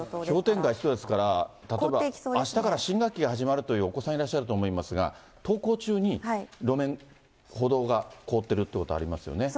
氷点下１度ですから、例えばあしたから新学期が始まるというお子さんいらっしゃると思いますが、登校中に路面、歩道が凍ってるということがありますよ